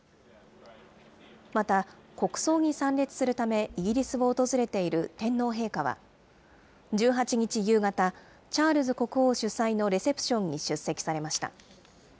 また国葬に参列するため、イギリスを訪れている天皇陛下は、１８日夕方、チャールズ国王主催のレセプションに出席されました。